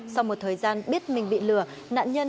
sau một thời gian biết mình bị lừa